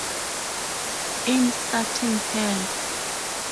In starting Help!